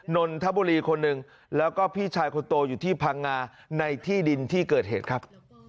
นนทบุรีคนหนึ่งแล้วก็พี่ชายคนโตอยู่ที่พังงาในที่ดินที่เกิดเหตุครับ